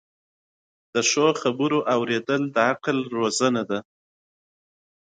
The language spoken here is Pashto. د ښو خبرو اوریدل د عقل روزنه ده.